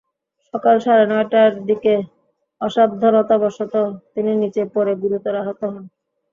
সকাল সাড়ে নয়টার দিকে অসাবধানতাবশত তিনি নিচে পড়ে গুরুতর আহত হন।